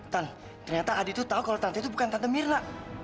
tan ternyata adi tuh tau kalo tante itu bukan tante myrna